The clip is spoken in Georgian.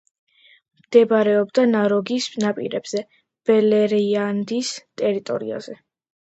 მდებარეობდა ნაროგის ნაპირებზე, ბელერიანდის ტერიტორიაზე.